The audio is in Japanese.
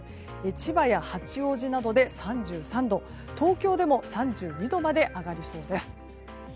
千葉や八王子などで３３度東京でも３２度まで上がりそうです。